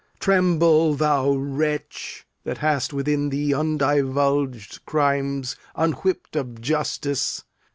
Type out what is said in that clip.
Tremble, thou wretch, That hast within thee undivulged crimes Unwhipp'd of justice.